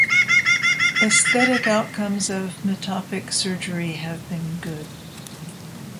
Aesthetic outcomes of metopic surgery have been good.